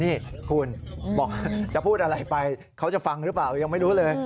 นี่คุณบอกว่าจะพูดอะไรไปเขาจะฟังหรือเปล่ายังไม่รู้เลย